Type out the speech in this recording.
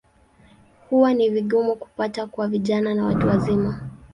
Huwa ni vigumu kupata kwa vijana na watu wazima.